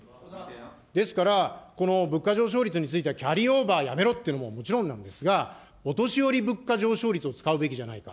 ですから、この物価上昇率についてはキャリーオーバーやめろというのはもちろんなんですが、お年寄り物価上昇率を使うべきじゃないか。